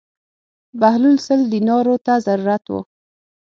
بهلول سل دینارو ته ضرورت و.